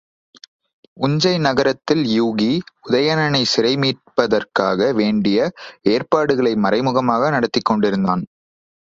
உஞ்சை நகரத்தில் யூகி, உதயணனைச் சிறை மீட்பதற்காக வேண்டிய ஏற்பாடுகளை மறைமுகமாக நடத்திக் கொண்டிருந்தான்.